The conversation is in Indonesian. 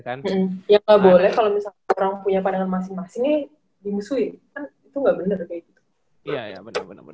orang punya pandangan masing masingnya dimusuhin